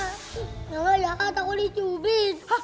mama jahat aku licubin